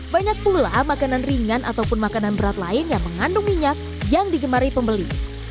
banyak pula makanan ringan ataupun makanan berat lain yang mengandung minyak yang digemari pembeli